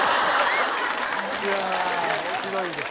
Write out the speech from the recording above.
いや面白いです。